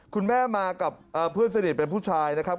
คุณแม่มากับเพื่อนสนิทเป็นผู้ชายนะครับ